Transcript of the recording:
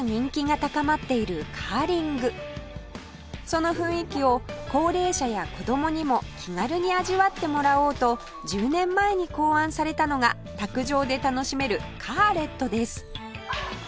その雰囲気を高齢者や子供にも気軽に味わってもらおうと１０年前に考案されたのが卓上で楽しめるカーレットです